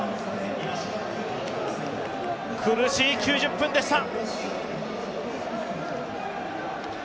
苦しい９０分でした。